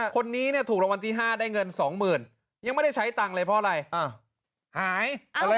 คนนี้เนี่ยถูกรางวัลที่ห้าได้เงินสองหมื่นยังไม่ได้ใช้ตังค์เลยเพราะอะไร